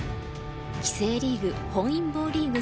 棋聖リーグ本因坊リーグ